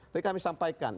tapi kami sampaikan